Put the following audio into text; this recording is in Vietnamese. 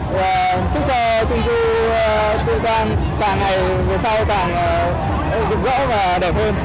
và chúc cho trung thu tuyên quang càng ngày sau càng rực rỡ và đẹp hơn